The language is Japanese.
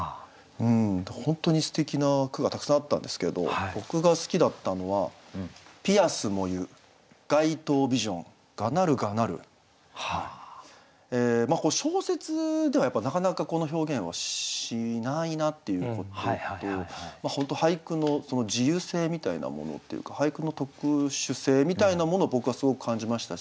本当にすてきな句がたくさんあったんですけど僕が好きだったのは小説ではなかなかこの表現はしないなっていうことと本当俳句の自由性みたいなものっていうか俳句の特殊性みたいなものを僕はすごく感じましたし